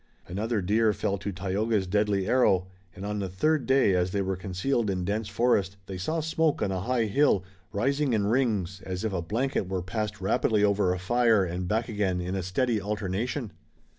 Another deer fell to Tayoga's deadly arrow, and on the third day as they were concealed in dense forest they saw smoke on a high hill, rising in rings, as if a blanket were passed rapidly over a fire and back again in a steady alternation.